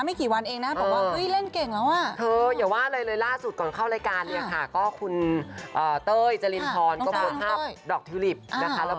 มีความใยในการง้องกันอาจมูกข้าย